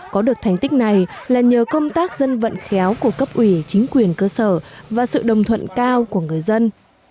có được thành tích này là nhờ công tác dân vận khéo của cấp ủy chính quyền cơ sở và sự đồng thuận cao của người dân